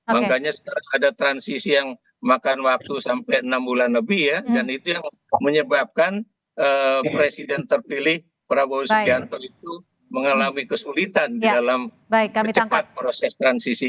makanya sekarang ada transisi yang makan waktu sampai enam bulan lebih ya dan itu yang menyebabkan presiden terpilih prabowo subianto itu mengalami kesulitan di dalam cepat proses transisi